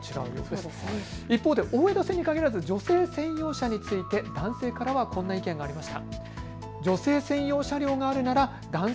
大江戸線に限らず女性専用車について男性からはこんな意見もありました。